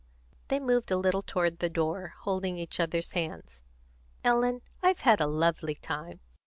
They moved a little toward the door, holding each other's hands. "Ellen, I've had a lovely time!"